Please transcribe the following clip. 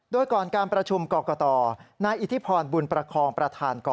โดยก่อนการประชุมกรกฎ